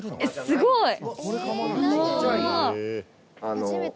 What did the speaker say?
すごい。